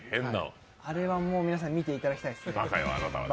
あれは皆さんに見ていただきたいです。